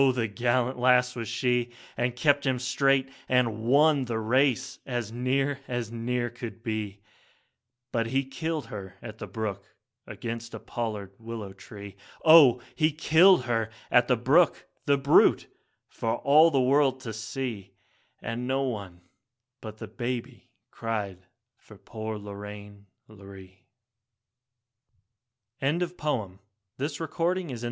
the gallant lass was she, And kept him straight and won the race as near as near could be; But he killed her at the brook against a pollard willow tree, Oh! he killed her at the brook, the brute, for all the world to see, And no one but the baby cried for poor Lorraine, Lorree. Last poem written in illness.